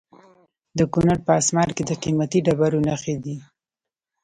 د کونړ په اسمار کې د قیمتي ډبرو نښې دي.